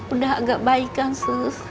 udah agak baik kan sus